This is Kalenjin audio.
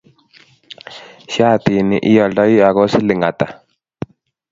shatitni ioldoi ago siling hata?